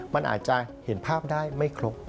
มันอาจจะเห็นภาพได้ไม่ครบ